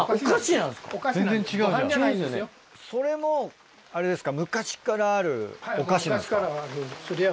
それもあれですか？